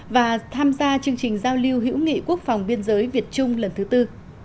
và tham gia chương trình giao lưu hữu nghị quốc phòng biên giới việt trung lần thứ tư